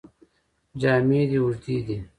جامې دې اوږدې دي.